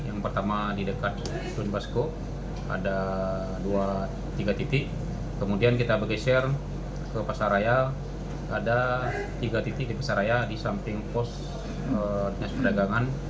yang pertama di dekat dunbasko ada tiga titik kemudian kita bageser ke pasaraya ada tiga titik di pasaraya di samping pos perdagangan